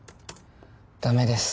ダメです